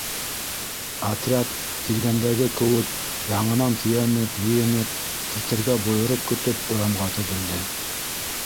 Отряд, килгәндәге кеүек, яңынан тейәнеп, йыйынып, китергә бойороҡ көтөп, урамға теҙелде.